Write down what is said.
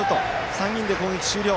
３人で攻撃終了。